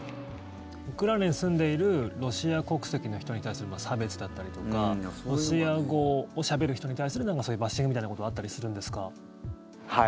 ウクライナに住んでいるロシア国籍の人に対する差別だったりとかロシア語をしゃべる人に対するバッシングみたいなことはあったりするんですか。